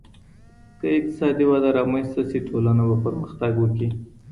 که اقتصادي وده رامنځته سي ټولنه به پرمختګ وکړي.